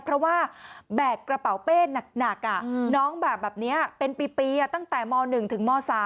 เพราะว่าแบกกระเป๋าเป้หนักน้องแบกแบบนี้เป็นปีตั้งแต่ม๑ถึงม๓